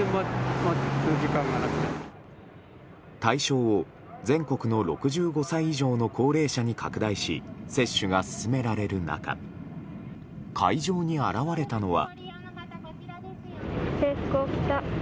対象を全国の６５歳以上の高齢者に拡大し接種が進められる中会場に現れたのは。